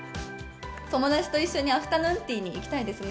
友達と一緒にアフタヌーンティーに行きたいですね。